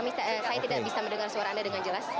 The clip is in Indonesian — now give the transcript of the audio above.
saya tidak bisa mendengar suara anda dengan jelas